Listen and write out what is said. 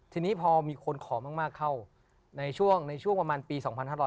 ทีนี้พอมีคนขอมากเข้าในช่วงประมาณปี๒๕๕๙